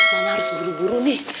mama harus buru buru nih